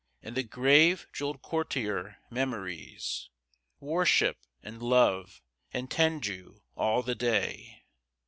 And the grave jewelled courtier Memories Worship and love and tend you, all the day.